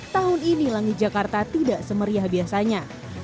tahun ini langit jakarta tidak semeriah biasanya